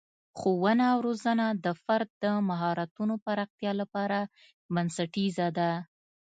ښوونه او روزنه د فرد د مهارتونو پراختیا لپاره بنسټیزه ده.